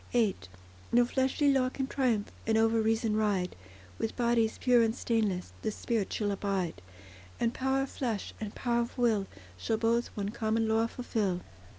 VIII No fleshly law can triumph, And over reason ride; With bodies pure and stainless The spirit shall abide; And power of flesh, and power of will, Shall both one common law fulfil.